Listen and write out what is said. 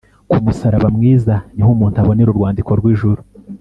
ku musaraba mwiza niho umuntu abonera urwandiko rw’ijuru